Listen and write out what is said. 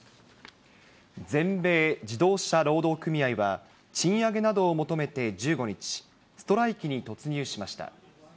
全米自動車労働組合は、賃上げなどを求めて１５日、ストライキに突入しました。